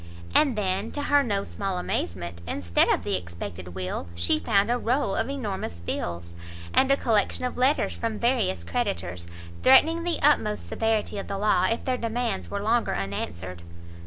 And then, to her no small amazement, instead of the expected will, she found a roll of enormous bills, and a collection of letters from various creditors, threatening the utmost severity of the law if their demands were longer unanswered.